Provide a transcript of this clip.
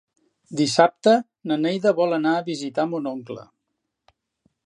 Dissabte na Neida vol anar a visitar mon oncle.